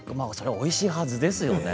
おいしいはずですよね。